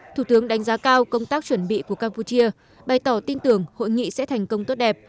thủ tướng đánh giá cao công tác chuẩn bị của campuchia bày tỏ tin tưởng hội nghị sẽ thành công tốt đẹp